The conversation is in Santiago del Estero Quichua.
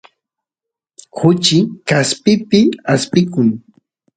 kuchi kaspipi aspiykun